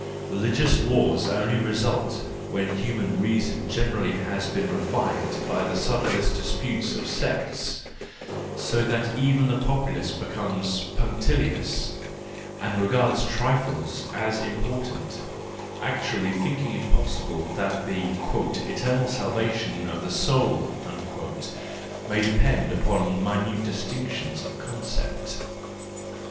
Religious wars only result, when human reason generally has been refined by the subtle disputes of sects; so that even the popu¬ lace becomes punctilious and regards trifles as important, actually thinking it possible that the " eternal salvation of the soul " may depend upon minute distinctions of concepts.